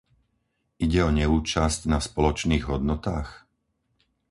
Ide o neúčasť na spoločných hodnotách?